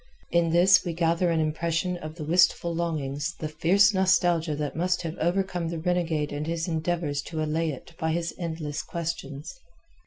In this we gather an impression of the wistful longings the fierce nostalgia that must have overcome the renegade and his endeavours to allay it by his endless questions.